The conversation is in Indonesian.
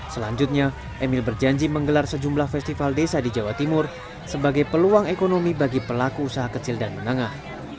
selanjutnya emil berjanji menggelar sejumlah festival desa di jawa timur sebagai peluang ekonomi bagi pelaku usaha kecil dan menengah